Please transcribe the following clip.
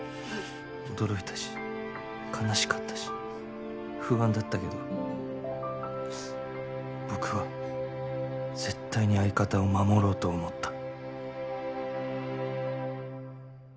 驚いたし悲しかったし不安だったけど僕は絶対に相方を守ろうと思った